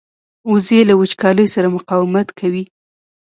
وزې له وچکالۍ سره مقاومت کوي